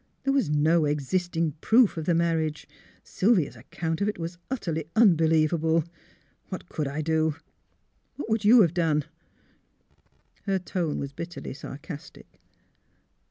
There was no existing proof of the mar riage. Sylvia's account of it was utterly unbe lievable. What could I do? What would you have done? " Her tone was bitterly sarcastic.